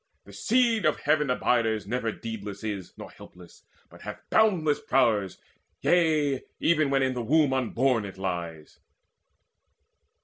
The seed Of Heaven abiders never deedless is Nor helpless, but hath boundless prowess, yea, Even when in the womb unborn it lies.